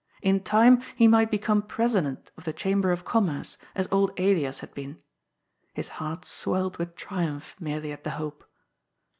In time he might become President of the Chamber of Commerce, as old Elias had been. His heart swelled with triumph merely at the hope.